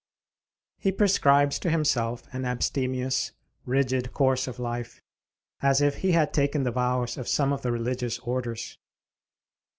He prescribes to himself an abstemious, rigid course of life, as if he had taken the vows of some of the religious orders.